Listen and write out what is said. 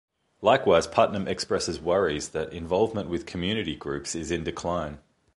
Likewise, Putnam expresses worries that involvement with "community groups" is in decline.